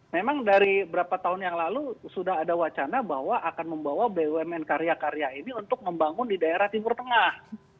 memang dari berapa tahun yang lalu sudah ada wacana bahwa akan membawa bumn karya karya ini untuk membangun di daerah timur tengah